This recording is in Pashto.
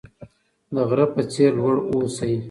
د غره په څیر لوړ اوسئ.